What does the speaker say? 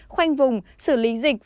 khoanh vùng xử lý dịch